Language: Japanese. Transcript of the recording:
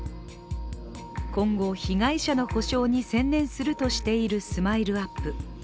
今後、被害者の補償に専念するとしているＳＭＩＬＥ−ＵＰ．。